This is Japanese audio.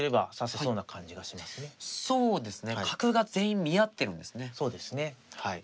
そうですね。